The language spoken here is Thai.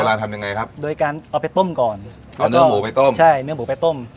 ทำยังไงครับโดยการเอาไปต้มก่อนเอาเนื้อหมูไปต้มใช่เนื้อหมูไปต้ม